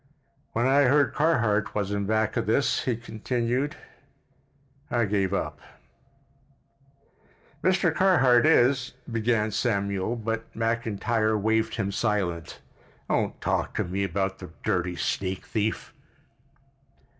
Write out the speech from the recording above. "When I heard Carhart was back of this," he continued, "I gave up." "Mr. Carhart is——" began Samuel, but McIntyre waved him silent. "Don't talk about the dirty sneak thief!"